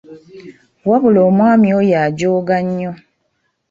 Wabula omwami oyo ajooga nnyo.